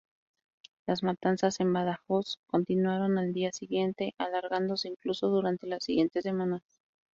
Las matanzas en Badajoz continuaron al día siguiente, alargándose incluso durante las siguientes semanas.